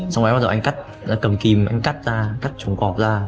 xong rồi anh cắt cầm kìm anh cắt ra cắt trống cọp ra